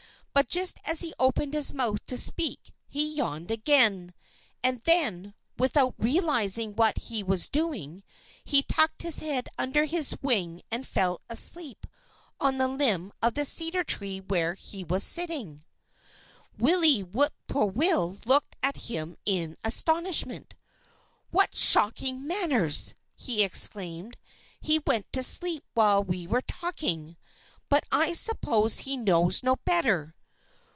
But just as he opened his mouth to speak he yawned again. And then, without realizing what he was doing, he tucked his head under his wing and fell asleep on the limb of the cedar tree where he was sitting. Willie Whip poor will looked at him in astonishment. "What shocking manners!" he exclaimed. "He went to sleep while we were talking. But I suppose he knows no better."